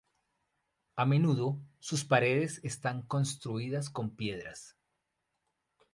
A menudo sus paredes están construidas con piedras.